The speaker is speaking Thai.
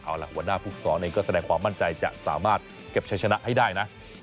เอาล่ะหัวหน้าภูกษรเองก็แสดงความมั่นใจจะสามารถเก็บใช้ชนะให้ได้นะ